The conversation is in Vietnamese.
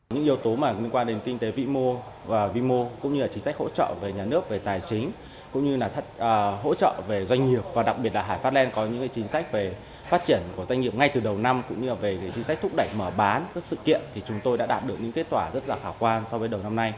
những yếu tố liên quan đến kinh tế vĩ mô và vi mô cũng như là chính sách hỗ trợ về nhà nước về tài chính cũng như là hỗ trợ về doanh nghiệp và đặc biệt là hải pháplen có những chính sách về phát triển của doanh nghiệp ngay từ đầu năm cũng như là về chính sách thúc đẩy mở bán các sự kiện thì chúng tôi đã đạt được những kết quả rất là khả quan so với đầu năm nay